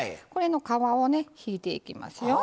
皮を引いていきますよ。